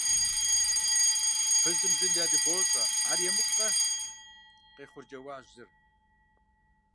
– Фызым бжьын ядыбопщӀэ, ар емыкӀукъэ? – къехъурджэуащ зыр.